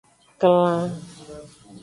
Klan.